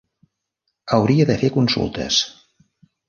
Hauria de fer consultes.